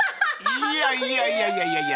［いやいやいやいやいや］